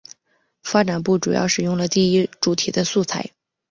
发展部主要使用了第一主题的素材。